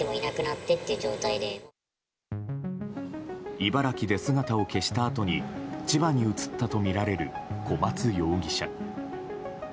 茨城で姿を消したあとに千葉に移ったとみられる小松容疑者。